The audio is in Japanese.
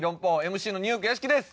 ＭＣのニューヨーク屋敷です。